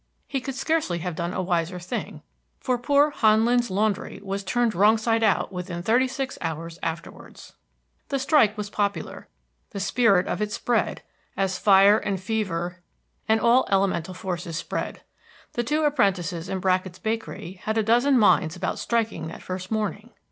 He could scarcely have done a wiser thing, for poor Han Lin's laundry was turned wrong side out within thirty six hours afterwards. The strike was popular. The spirit of it spread, as fire and fever and all elemental forces spread. The two apprentices in Brackett's bakery had a dozen minds about striking that first morning.